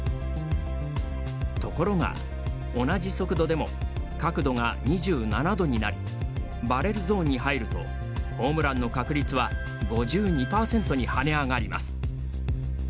ところが、同じ速度でも角度が２７度になりバレルゾーンに入るとホームランの確率は５２％に跳ね上がります。